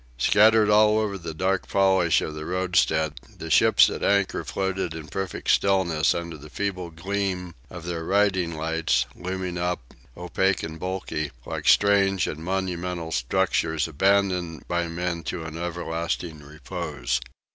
Scattered all over the dark polish of the roadstead, the ships at anchor floated in perfect stillness under the feeble gleam of their riding lights, looming up, opaque and bulky, like strange and monumental structures abandoned by men to an everlasting repose.